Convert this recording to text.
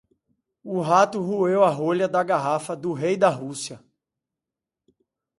O rato roeu a rolha da garrafa do Rei da Rússia.